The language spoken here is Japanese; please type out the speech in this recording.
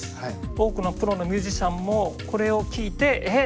多くのプロのミュージシャンもこれを聞いてえっ？